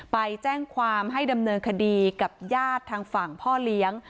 ไปแจ้งความให้ดำเนินคดีกับญาติทางฝั่งพ่อเลี้ยง